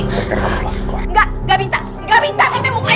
kakak beritahu apaan